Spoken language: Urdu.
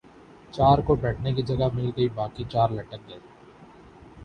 چار کو بیٹھنے کی جگہ مل گئی باقی چار لٹک گئے ۔